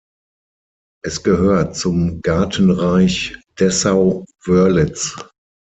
Es gehört zum Gartenreich Dessau-Wörlitz.